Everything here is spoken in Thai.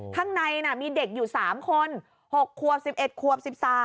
ข้างในมีเด็กอยู่๓คน๖ควบ๑๑ควบ๑๓